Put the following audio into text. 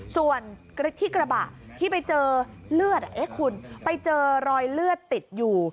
ส่วนที่กระบะที่ไปเจอเลือดคุณไปเจอรอยเลือดติดอยู่